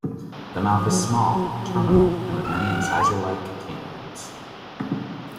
The mouth is small, terminal and with many incisor-like canines.